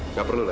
nggak perlu ya